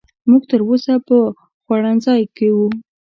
موږ تر اوسه په خوړنځای کې وو.